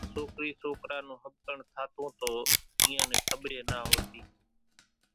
زيرين سوڪرِي سوڪرا نون ۿٻڪڻ ٿاتون تو اينيان نين کٻريئيَ نا هوتِي۔